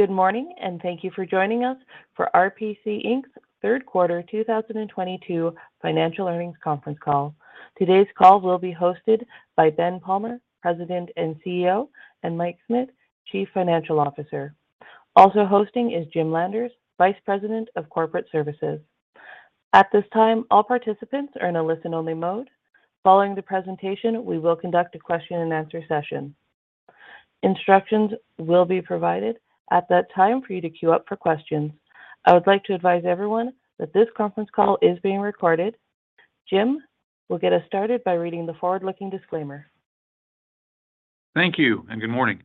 Good morning and thank you for joining us for RPC, Inc.'s third quarter 2022 financial earnings conference call. Today's call will be hosted by Ben Palmer, President and CEO, and Michael Schmit, Chief Financial Officer. Also hosting is Jim Landers, Vice President of Corporate Services. At this time, all participants are in a listen-only mode. Following the presentation, we will conduct a question-and-answer session. Instructions will be provided at that time for you to queue up for questions. I would like to advise everyone that this conference call is being recorded. Jim will get us started by reading the forward-looking disclaimer. Thank you and good morning.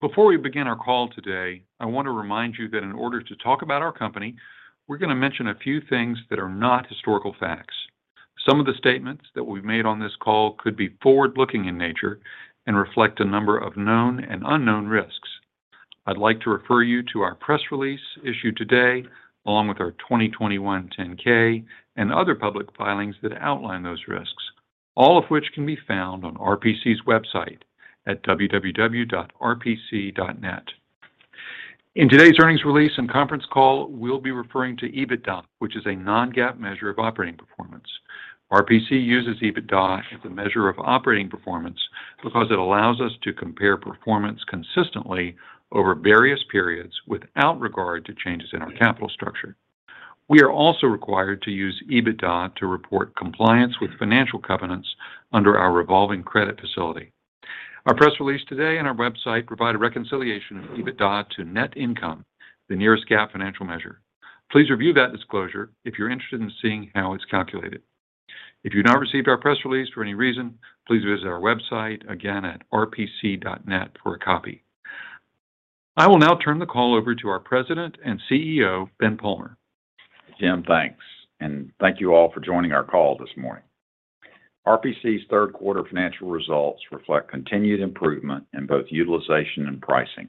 Before we begin our call today, I want to remind you that in order to talk about our company, we're gonna mention a few things that are not historical facts. Some of the statements that we've made on this call could be forward-looking in nature and reflect a number of known and unknown risks. I'd like to refer you to our press release issued today, along with our 2021 10-K and other public filings that outline those risks, all of which can be found on RPC's website at www.rpc.net. In today's earnings release and conference call, we'll be referring to EBITDA, which is a non-GAAP measure of operating performance. RPC uses EBITDA as a measure of operating performance because it allows us to compare performance consistently over various periods without regard to changes in our capital structure. We are also required to use EBITDA to report compliance with financial covenants under our revolving credit facility. Our press release today on our website provide a reconciliation of EBITDA to net income, the nearest GAAP financial measure. Please review that disclosure if you're interested in seeing how it's calculated. If you've not received our press release for any reason, please visit our website again at rpc.net for a copy. I will now turn the call over to our President and CEO, Ben M. Palmer. Jim, thanks. Thank you all for joining our call this morning. RPC's third quarter financial results reflect continued improvement in both utilization and pricing,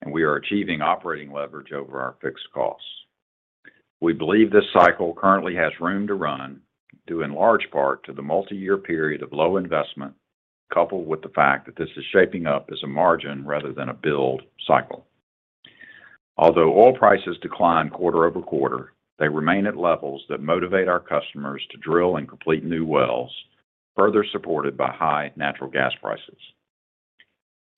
and we are achieving operating leverage over our fixed costs. We believe this cycle currently has room to run due in large part to the multi-year period of low investment, coupled with the fact that this is shaping up as a margin rather than a build cycle. Although oil prices declined quarter-over-quarter, they remain at levels that motivate our customers to drill and complete new wells, further supported by high natural gas prices.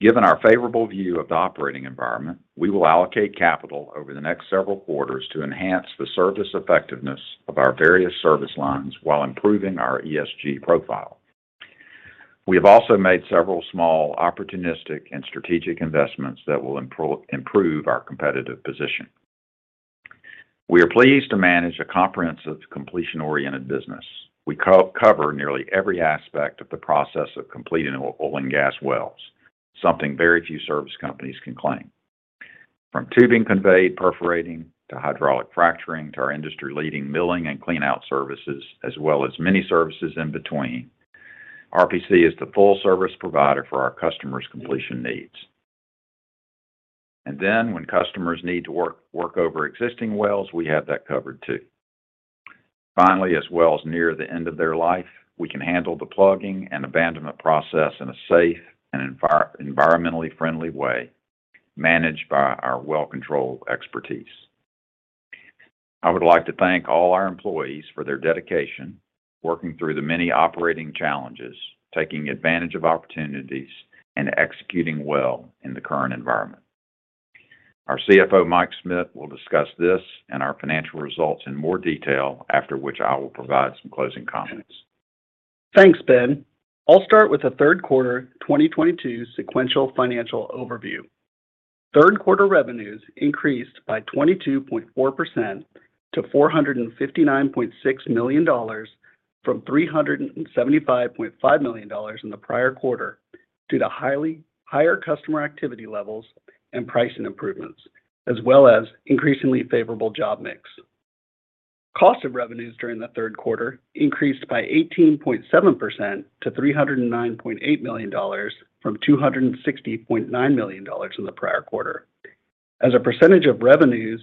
Given our favorable view of the operating environment, we will allocate capital over the next several quarters to enhance the service effectiveness of our various service lines while improving our ESG profile. We have also made several small, opportunistic, and strategic investments that will improve our competitive position. We are pleased to manage a comprehensive completion-oriented business. We co-cover nearly every aspect of the process of completing oil and gas wells, something very few service companies can claim. From tubing conveyed perforating, to hydraulic fracturing, to our industry-leading milling and cleanout services, as well as many services in between, RPC is the full service provider for our customers' completion needs. When customers need to work over existing wells, we have that covered too. Finally, as wells near the end of their life, we can handle the plugging and abandonment process in a safe and environmentally friendly way, managed by our well control expertise. I would like to thank all our employees for their dedication, working through the many operating challenges, taking advantage of opportunities, and executing well in the current environment. Our CFO, Michael Schmit, will discuss this and our financial results in more detail, after which I will provide some closing comments. Thanks, Ben. I'll start with the third quarter 2022 sequential financial overview. Third quarter revenues increased by 22.4% to $459.6 million from $375.5 million in the prior quarter due to higher customer activity levels and pricing improvements, as well as increasingly favorable job mix. Cost of revenues during the third quarter increased by 18.7% to $309.8 million from $260.9 million in the prior quarter. As a percentage of revenues,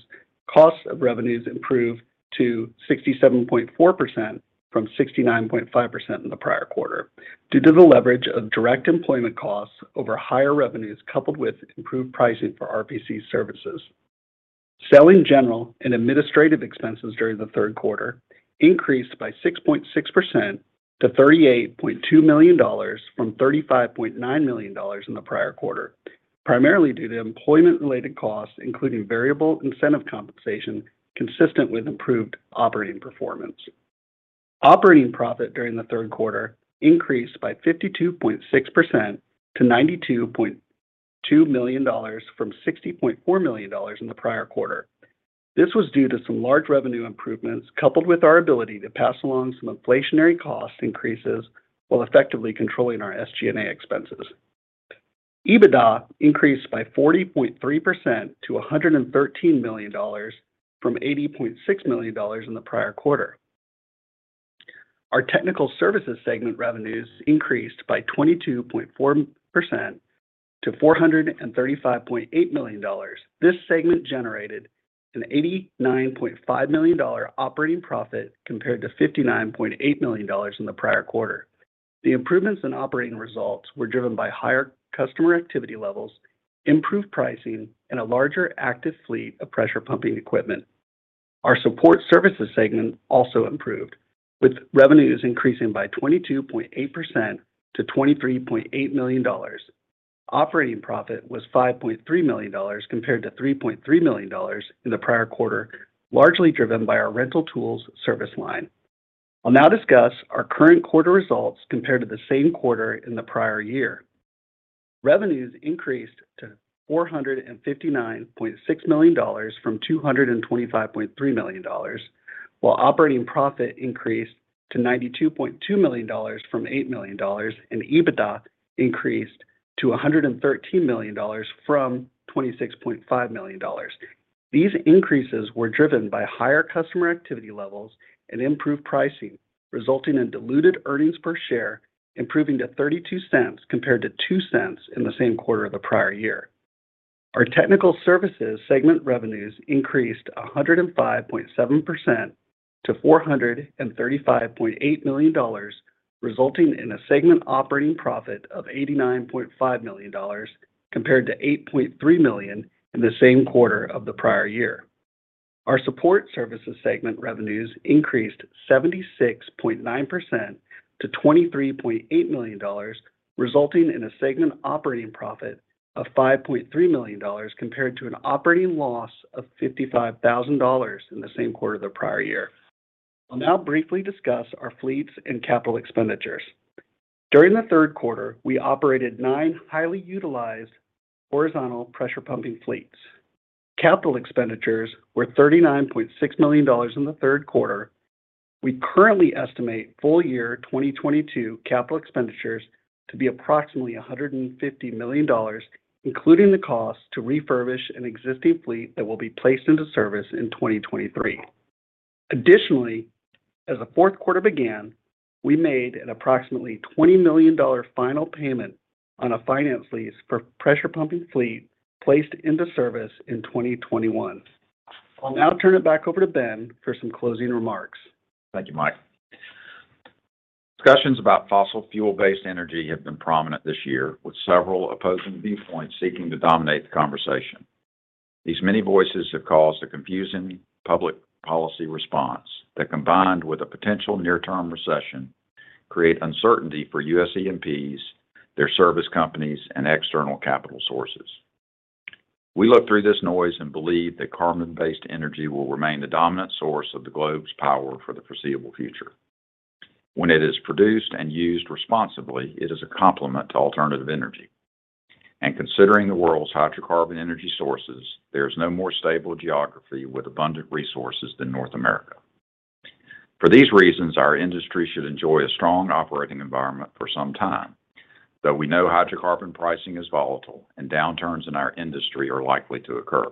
cost of revenues improved to 67.4% from 69.5% in the prior quarter due to the leverage of direct employment costs over higher revenues, coupled with improved pricing for RPC services. Selling, general, and administrative expenses during the third quarter increased by 6.6% to $38.2 million from $35.9 million in the prior quarter, primarily due to employment-related costs, including variable incentive compensation consistent with improved operating performance. Operating profit during the third quarter increased by 52.6% to $92.2 million from $60.4 million in the prior quarter. This was due to some large revenue improvements, coupled with our ability to pass along some inflationary cost increases while effectively controlling our SG&A expenses. EBITDA increased by 40.3% to $113 million from $80.6 million in the prior quarter. Our technical services segment revenues increased by 22.4% to $435.8 million. This segment generated an $89.5 million operating profit compared to $59.8 million in the prior quarter. The improvements in operating results were driven by higher customer activity levels, improved pricing, and a larger active fleet of pressure pumping equipment. Our support services segment also improved, with revenues increasing by 22.8% to $23.8 million. Operating profit was $5.3 million compared to $3.3 million in the prior quarter, largely driven by our rental tools service line. I'll now discuss our current quarter results compared to the same quarter in the prior year. Revenues increased to $459.6 million from $225.3 million, while operating profit increased to $92.2 million from $8 million, and EBITDA increased to $113 million from $26.5 million. These increases were driven by higher customer activity levels and improved pricing, resulting in diluted earnings per share, improving to $0.32 compared to $0.02 in the same quarter of the prior year. Our technical services segment revenues increased 105.7% to $435.8 million, resulting in a segment operating profit of $89.5 million compared to $8.3 million in the same quarter of the prior year. Our support services segment revenues increased 76.9% to $23.8 million, resulting in a segment operating profit of $5.3 million compared to an operating loss of $55,000 in the same quarter of the prior year. I'll now briefly discuss our fleets and capital expenditures. During the third quarter, we operated 9 highly utilized horizontal pressure pumping fleets. Capital expenditures were $39.6 million in the third quarter. We currently estimate full year 2022 capital expenditures to be approximately $150 million, including the cost to refurbish an existing fleet that will be placed into service in 2023. Additionally, as the fourth quarter began, we made an approximately $20 million final payment on a finance lease for pressure pumping fleet placed into service in 2021. I'll now turn it back over to Ben for some closing remarks. Thank you, Mike. Discussions about fossil fuel-based energy have been prominent this year, with several opposing viewpoints seeking to dominate the conversation. These many voices have caused a confusing public policy response that, combined with a potential near-term recession, create uncertainty for U.S. E&Ps, their service companies, and external capital sources. We look through this noise and believe that carbon-based energy will remain the dominant source of the globe's power for the foreseeable future. When it is produced and used responsibly, it is a complement to alternative energy. Considering the world's hydrocarbon energy sources, there is no more stable geography with abundant resources than North America. For these reasons, our industry should enjoy a strong operating environment for some time, though we know hydrocarbon pricing is volatile and downturns in our industry are likely to occur.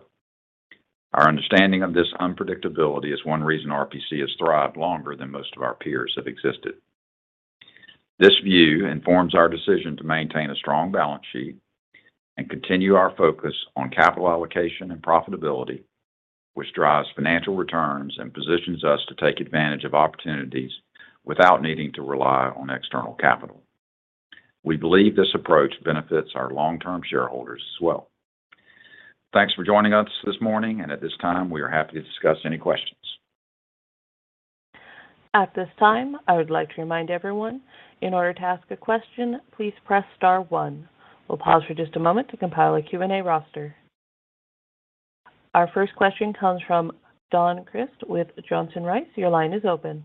Our understanding of this unpredictability is one reason RPC has thrived longer than most of our peers have existed. This view informs our decision to maintain a strong balance sheet and continue our focus on capital allocation and profitability, which drives financial returns and positions us to take advantage of opportunities without needing to rely on external capital. We believe this approach benefits our long-term shareholders as well. Thanks for joining us this morning, and at this time, we are happy to discuss any questions. At this time, I would like to remind everyone, in order to ask a question, please press star one. We'll pause for just a moment to compile a Q&A roster. Our first question comes from Don Crist with Johnson Rice. Your line is open.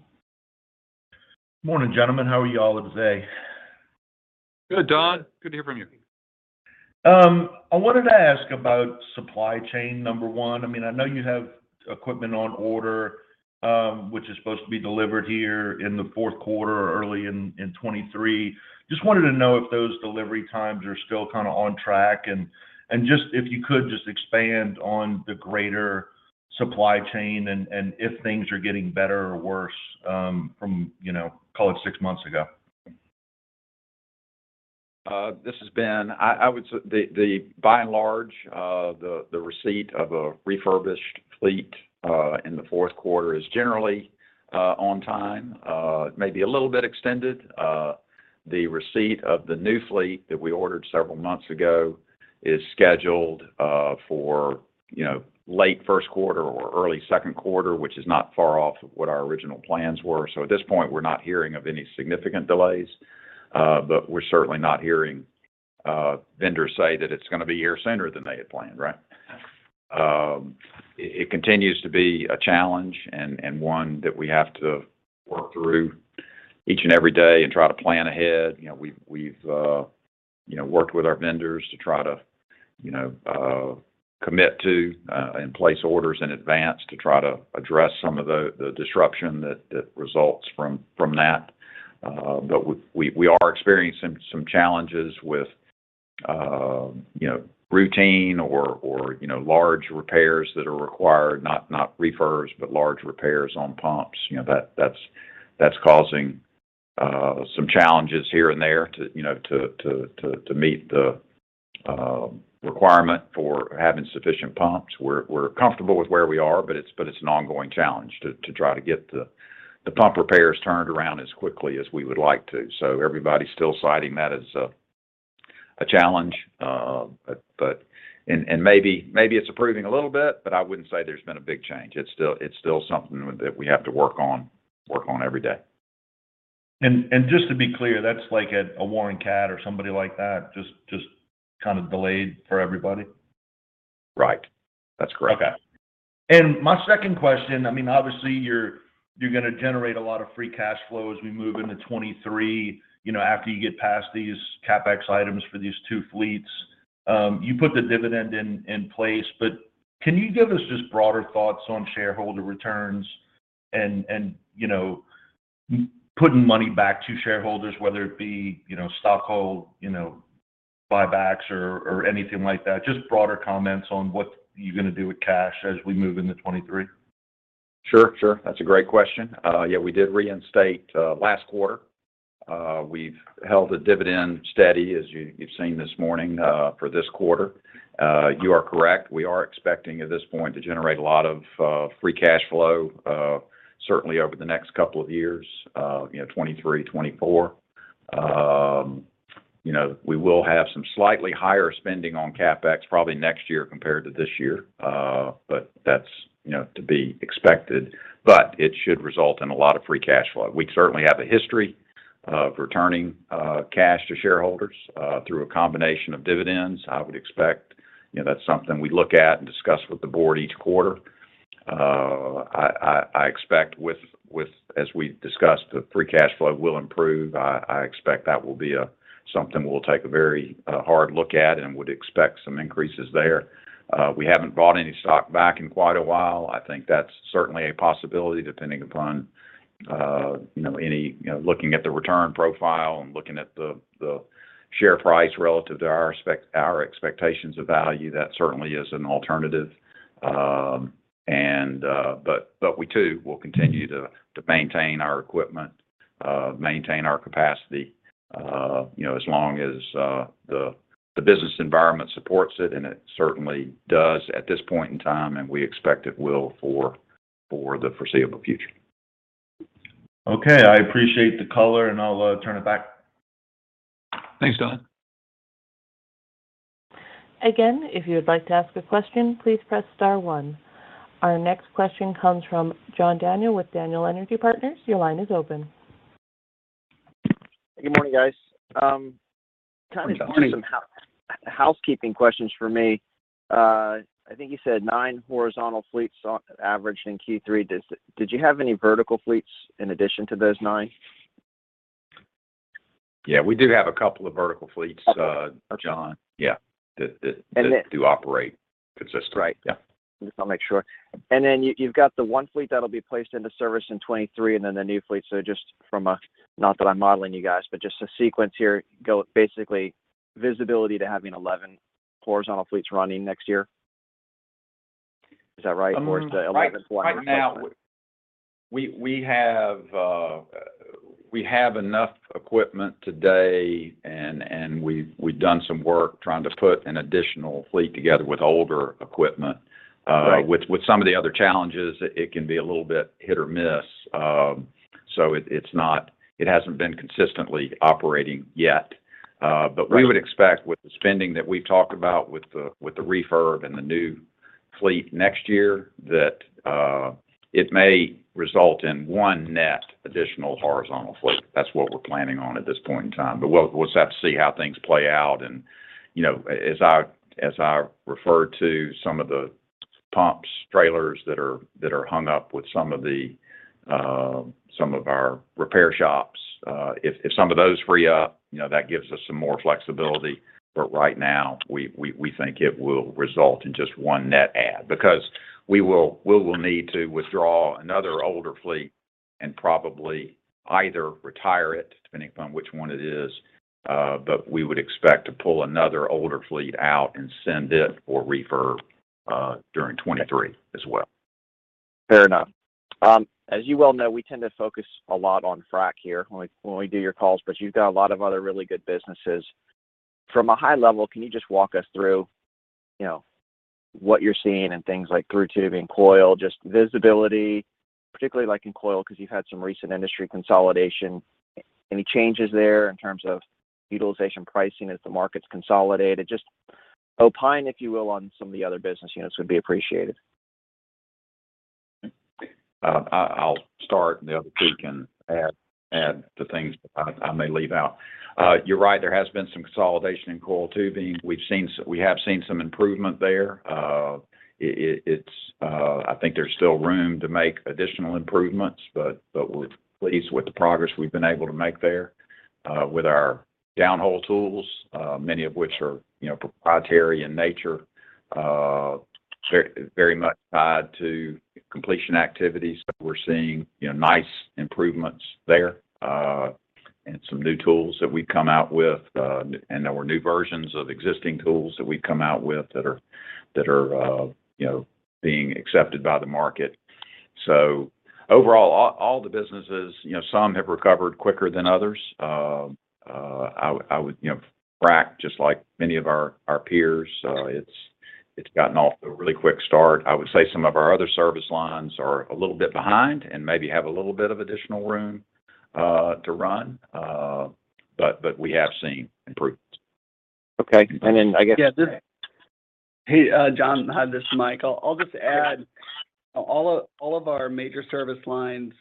Morning, gentlemen. How are you all today? Good, Don. Good to hear from you. I wanted to ask about supply chain, number one. I mean, I know you have equipment on order, which is supposed to be delivered here in the fourth quarter or early in 2023. Just wanted to know if those delivery times are still kind of on track and just if you could just expand on the greater supply chain and if things are getting better or worse, from call it six months ago. This has been... I would say by and large, the receipt of a refurbished fleet in the fourth quarter is generally on time. It may be a little bit extended. The receipt of the new fleet that we ordered several months ago is scheduled for late first quarter or early second quarter, which is not far off of what our original plans were. At this point, we're not hearing of any significant delays, but we're certainly not hearing vendors say that it's gonna be here sooner than they had planned, right? It continues to be a challenge and one that we have to work through each and every day and try to plan ahead. You know, we've you know, worked with our vendors to try to you know, commit to and place orders in advance to try to address some of the disruption that results from that. We are experiencing some challenges with you know, routine or you know, large repairs that are required, not refurbs, but large repairs on pumps. You know, that's causing some challenges here and there to you know, to meet the requirement for having sufficient pumps. We're comfortable with where we are, but it's an ongoing challenge to try to get the pump repairs turned around as quickly as we would like to. Everybody's still citing that as a challenge. maybe it's improving a little bit, but I wouldn't say there's been a big change. It's still something that we have to work on every day. Just to be clear, that's like at a Warren CAT or somebody like that, just kind of delayed for everybody? Right. That's correct. Okay. My second question, I mean, obviously you're gonna generate a lot of free cash flow as we move into 2023 after you get past these CapEx items for these two fleets. You put the dividend in place, but can you give us just broader thoughts on shareholder returns and you know putting money back to shareholders, whether it be buybacks or anything like that? Just broader comments on what you're gonna do with cash as we move into 2023. Sure, sure. That's a great question. Yeah, we did reinstate last quarter. We've held the dividend steady, as you've seen this morning, for this quarter. You are correct. We are expecting at this point to generate a lot of free cash flow, certainly over the next couple of years 2023, 2024. You know, we will have some slightly higher spending on CapEx probably next year compared to this year. But that's to be expected. But it should result in a lot of free cash flow. We certainly have a history of returning cash to shareholders through a combination of dividends. I would expect that's something we look at and discuss with the board each quarter. I expect with, as we discussed, the free cash flow will improve. I expect that will be something we'll take a very hard look at and would expect some increases there. We haven't bought any stock back in quite a while. I think that's certainly a possibility depending upon you know any you know looking at the return profile and looking at the share price relative to our expectations of value. That certainly is an alternative. We too will continue to maintain our equipment maintain our capacity you know as long as the business environment supports it, and it certainly does at this point in time, and we expect it will for the foreseeable future. Okay. I appreciate the color, and I'll turn it back. Thanks, Don Crist. Again, if you would like to ask a question, please press star one. Our next question comes from John Daniel with Daniel Energy Partners. Your line is open. Good morning, guys. Good morning, John. Kind of just some housekeeping questions for me. I think you said nine horizontal fleets averaged in Q3. Did you have any vertical fleets in addition to those nine? Yeah, we do have a couple of vertical fleets. Okay. John. Yeah. And then- Do operate consistently. Right. Yeah. Just want to make sure. You, you've got the one fleet that'll be placed into service in 2023 and then the new fleet. Just from a, not that I'm modeling you guys, but just a sequence here. Basically, visibility to having 11 horizontal fleets running next year. Is that right? Is the 11 plus- Right now, we have enough equipment today and we've done some work trying to put an additional fleet together with older equipment. Right. With some of the other challenges, it can be a little bit hit or miss. It hasn't been consistently operating yet. We would expect with the spending that we've talked about with the refurb and the new fleet next year that it may result in one net additional horizontal fleet. That's what we're planning on at this point in time. We'll just have to see how things play out. You know, as I referred to some of the pumps, trailers that are hung up with some of our repair shops, if some of those free up that gives us some more flexibility. Right now, we think it will result in just one net add because we will need to withdraw another older fleet and probably either retire it, depending upon which one it is. We would expect to pull another older fleet out and send it for refurb during 2023 as well. Fair enough. As you well know, we tend to focus a lot on frac here when we do your calls, but you've got a lot of other really good businesses. From a high level, can you just walk us through what you're seeing in things like coiled tubing, coil, just visibility, particularly like in coil because you've had some recent industry consolidation. Any changes there in terms of utilization pricing as the market's consolidated? Just opine, if you will, on some of the other business units would be appreciated. I'll start, and the other two can add the things I may leave out. You're right, there has been some consolidation in coiled tubing. We have seen some improvement there. It's, I think there's still room to make additional improvements, but we're pleased with the progress we've been able to make there, with our downhole tools, many of which are proprietary in nature, very much tied to completion activities. We're seeing nice improvements there, and some new tools that we've come out with, and there were new versions of existing tools that we've come out with that are being accepted by the market. Overall, all the businesses some have recovered quicker than others. I would frac just like many of our peers. It's gotten off to a really quick start. I would say some of our other service lines are a little bit behind and maybe have a little bit of additional room to run. We have seen improvements. Okay. I guess. Yeah. Hey, John, hi. This is Michael. I'll just add all of our major service lines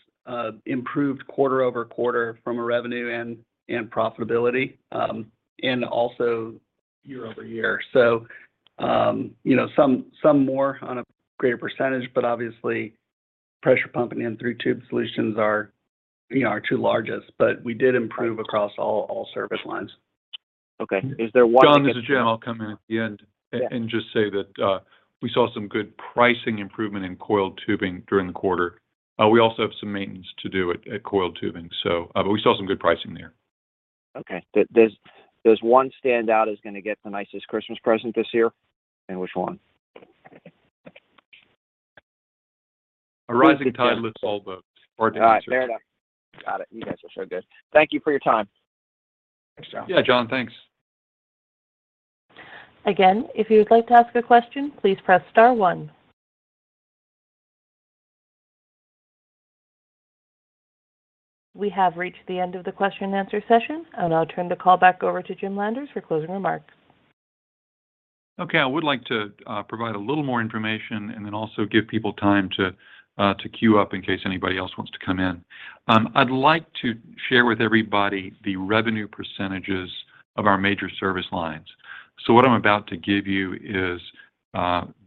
improved quarter-over-quarter in revenue and profitability, and also year-over-year. You know, some more on a greater percentage, but obviously pressure pumping and Thru Tubing Solutions are our two largest. We did improve across all service lines. Okay. Is there one that? John, this is Jim. I'll come in at the end. Yeah. Just say that we saw some good pricing improvement in coiled tubing during the quarter. We also have some maintenance to do at coiled tubing. But we saw some good pricing there. Okay. There's one standout who's gonna get the nicest Christmas present this year, and which one? A rising tide lifts all boats or. All right. Fair enough. Got it. You guys are so good. Thank you for your time. Thanks, John. Yeah, John, thanks. Again, if you would like to ask a question, please press star one. We have reached the end of the question and answer session, and I'll turn the call back over to Jim Landers for closing remarks. Okay. I would like to provide a little more information and then also give people time to queue up in case anybody else wants to come in. I'd like to share with everybody the revenue percentages of our major service lines. What I'm about to give you is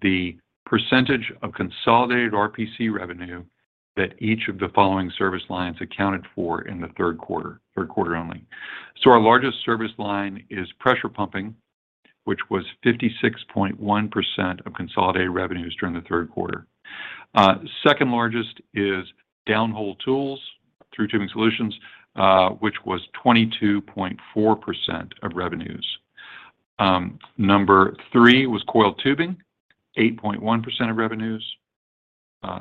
the percentage of consolidated RPC revenue that each of the following service lines accounted for in the third quarter, third quarter only. Our largest service line is Pressure Pumping, which was 56.1% of consolidated revenues during the third quarter. Second largest is Downhole Tools, ThruTubing Solutions, which was 22.4% of revenues. Number three was Coiled Tubing, 8.1% of revenues.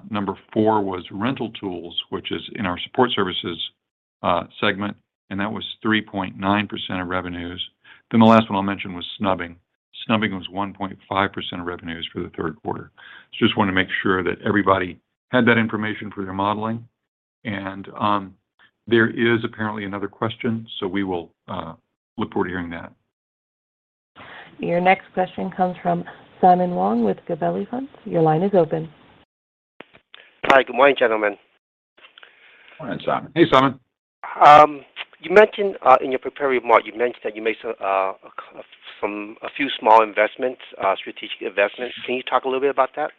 Number four was Rental Tools, which is in our Support Services segment, and that was 3.9% of revenues. The last one I'll mention was snubbing. Snubbing was 1.5% of revenues for the third quarter. Just wanted to make sure that everybody had that information for their modeling. There is apparently another question, so we will look forward to hearing that. Your next question comes from Simon Wong with Gabelli Funds. Your line is open. Hi. Good morning, gentlemen. Morning, Simon. Hey, Simon. You mentioned in your prepared remark, you mentioned that you made a few small investments, strategic investments. Can you talk a little bit about that?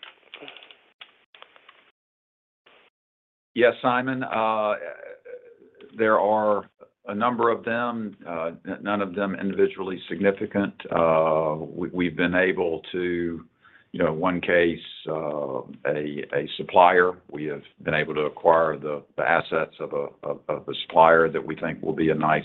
Yes, Simon. There are a number of them, none of them individually significant. We've been able to one case, acquire the assets of a supplier that we think will be a nice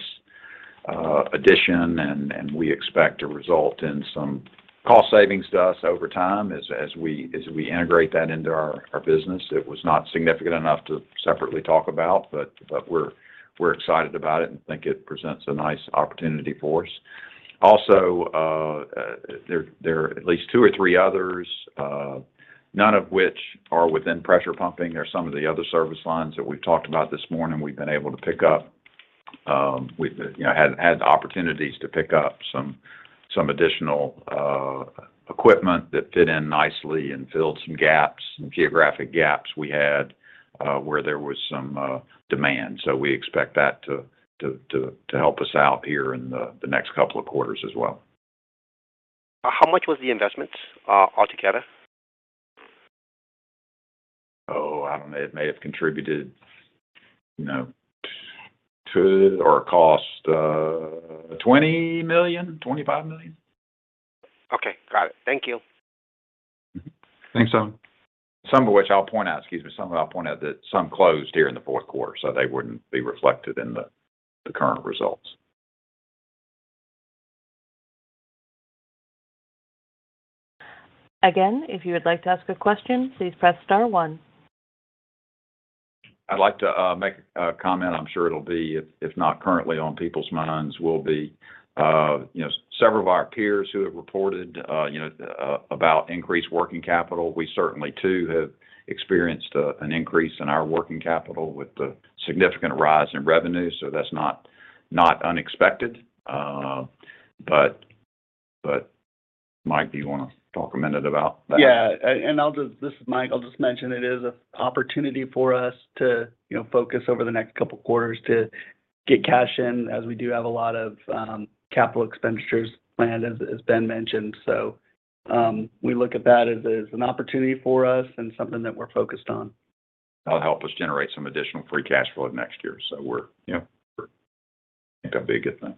addition, and we expect to result in some cost savings to us over time as we integrate that into our business. It was not significant enough to separately talk about, but we're excited about it and think it presents a nice opportunity for us. Also, there are at least two or three others, none of which are within pressure pumping. They're some of the other service lines that we've talked about this morning we've been able to pick up. we've had the opportunities to pick up some additional equipment that fit in nicely and filled some gaps, some geographic gaps we had, where there was some demand. We expect that to help us out here in the next couple of quarters as well. How much was the investment, altogether? Oh, I don't know. It may have contributed to or cost $20 million-$25 million. Okay. Got it. Thank you. Thanks, Simon. Some of which I'll point out that some closed here in the fourth quarter, so they wouldn't be reflected in the current results. Again, if you would like to ask a question, please press star one. I'd like to make a comment. I'm sure it'll be, if not currently on people's minds, will be. You know, several of our peers who have reported you know about increased working capital. We certainly too have experienced an increase in our working capital with the significant rise in revenue. That's not unexpected. But Mike, do you wanna talk a minute about that? Yeah. I'll just mention it is an opportunity for us to focus over the next couple of quarters to get cash in as we do have a lot of capital expenditures planned, as Ben mentioned. This is Mike. We look at that as an opportunity for us and something that we're focused on. That'll help us generate some additional free cash flow next year. we're a big thing.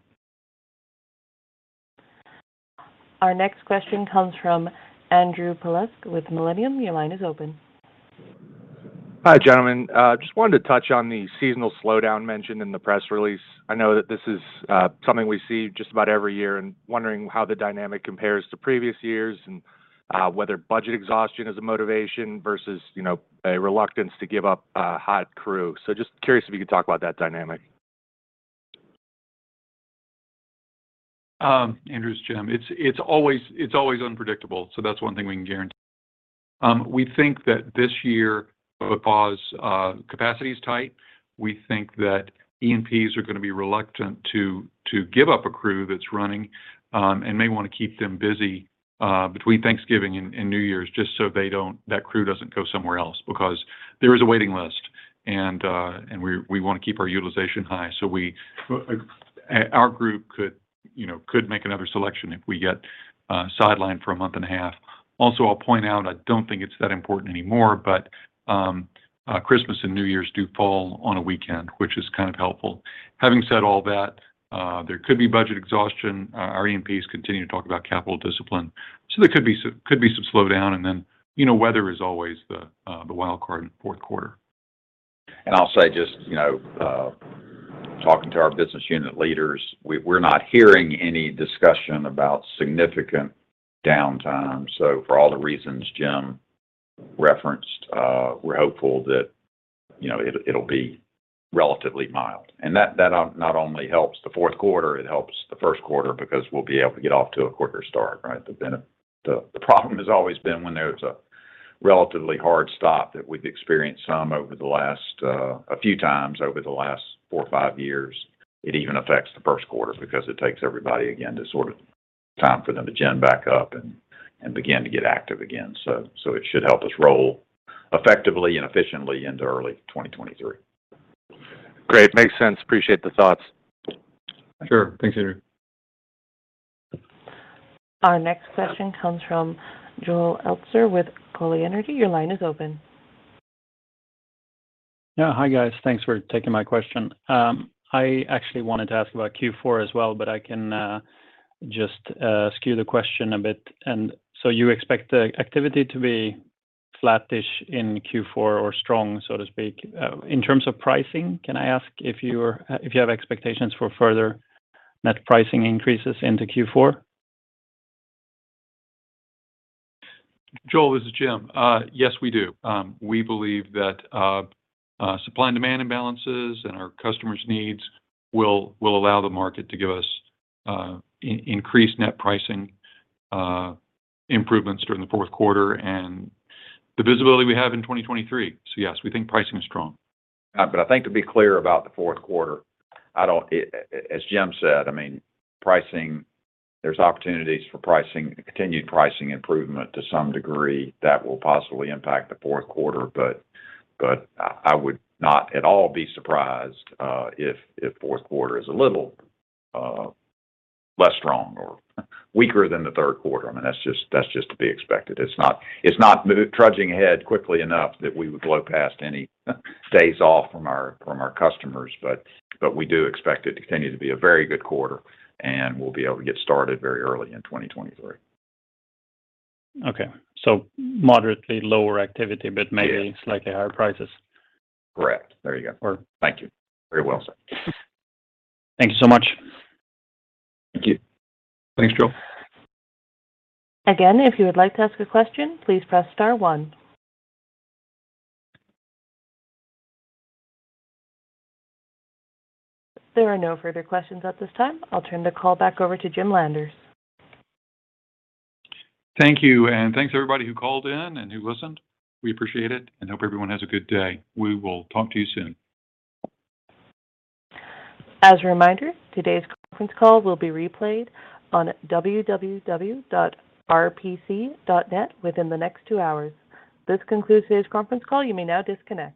Our next question comes from Stephen D. Piles with Millennium. Your line is open. Hi, gentlemen. Just wanted to touch on the seasonal slowdown mentioned in the press release. I know that this is something we see just about every year and wondering how the dynamic compares to previous years and whether budget exhaustion is a motivation versus a reluctance to give up a hot crew. Just curious if you could talk about that dynamic? Andrew, it's Jim. It's always unpredictable, so that's one thing we can guarantee. We think that this year with pause capacity is tight. We think that E&Ps are gonna be reluctant to give up a crew that's running and may wanna keep them busy between Thanksgiving and New Year's, just so that crew doesn't go somewhere else because there is a waiting list and we wanna keep our utilization high. Our group could make another selection if we get sidelined for a month and a half. Also, I'll point out, I don't think it's that important anymore, but Christmas and New Year's do fall on a weekend, which is kind of helpful. Having said all that, there could be budget exhaustion. Our E&Ps continue to talk about capital discipline, so there could be some slowdown. then weather is always the wild card in fourth quarter. I'll say just talking to our business unit leaders, we're not hearing any discussion about significant downtime. For all the reasons Jim referenced, we're hopeful that it'll be relatively mild. That not only helps the fourth quarter, it helps the first quarter because we'll be able to get off to a quicker start, right? The problem has always been when there's a relatively hard stop that we've experienced some over the last few times over the last four or five years. It even affects the first quarter because it takes everybody some time for them to get back up and begin to get active again. It should help us roll effectively and efficiently into early 2023. Great. Makes sense. Appreciate the thoughts. Sure. Thanks, Stephen D. Pieles. Our next question comes from J.B. Lowe With Foley Energy. Your line is open. Yeah. Hi, guys. Thanks for taking my question. I actually wanted to ask about Q4 as well, but I can just tweak the question a bit. You expect the activity to be flattish in Q4 or strong, so to speak. In terms of pricing, can I ask if you have expectations for further net pricing increases into Q4? Jules, this is Jim. Yes, we do. We believe that supply and demand imbalances and our customers' needs will allow the market to give us increased net pricing improvements during the fourth quarter and the visibility we have in 2023. Yes, we think pricing is strong. I think to be clear about the fourth quarter, as Jim said, I mean, pricing, there's opportunities for pricing, continued pricing improvement to some degree that will possibly impact the fourth quarter. I would not at all be surprised if fourth quarter is a little less strong or weaker than the third quarter. I mean, that's just to be expected. It's not trudging ahead quickly enough that we would blow past any days off from our customers, we do expect it to continue to be a very good quarter, and we'll be able to get started very early in 2023. Okay. Moderately lower activity, but maybe. Yeah. slightly higher prices. Correct. There you go. Thank you. Very well said. Thank you so much. Thank you. Thanks, Jules. Again, if you would like to ask a question, please press star one. There are no further questions at this time. I'll turn the call back over to Jim Landers. Thank you. Thanks everybody who called in and who listened. We appreciate it and hope everyone has a good day. We will talk to you soon. As a reminder, today's conference call will be replayed on www.rpc.net within the next two hours. This concludes today's conference call. You may now disconnect.